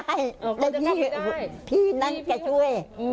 แล้วพี่นั้นก็ช่วย